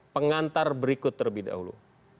pengantar berikut terlebih dahulu